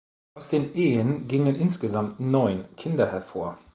Aus den Ehen gingen insgesamt neun Kinder hervor.